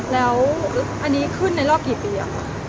แล้วอันนี้ขึ้นรอปีกี่อ่ะ